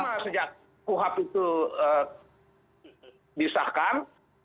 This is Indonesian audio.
pertama sejak kuhap itu disahkan